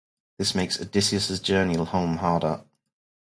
This makes Odysseus' journey home harder.